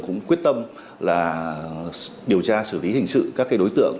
cũng quyết tâm là điều tra xử lý hình sự các đối tượng